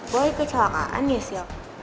boy kecelakaan ya sil